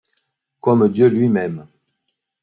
Comme Dieu lui-même